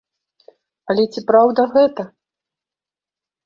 Але ці праўда гэта?